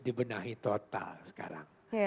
dibenahi total sekarang